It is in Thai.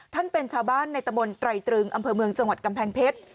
เป็นชาวบ้านในตะบนไตรตรึงอำเภอเมืองจังหวัดกำแพงเพชร